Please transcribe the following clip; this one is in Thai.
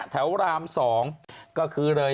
ราม๒ก็คือเลย